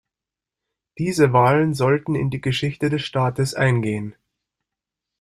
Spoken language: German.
Diese Wahlen sollten in die Geschichte des Staates eingehen.